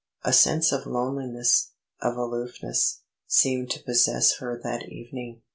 A sense of loneliness, of aloofness, seemed to possess her that evening.